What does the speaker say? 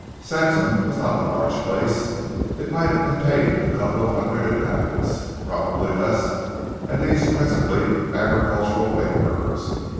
Saxham was not a large place. It might have contained a couple of hundred inhabitants, probably less, and these principally agricultural labourers.